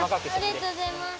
ありがとうございます。